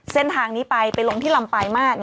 เส้นทางนี้ไปไปลงที่ลำปลายมาตร